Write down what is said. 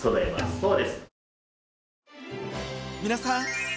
そうです。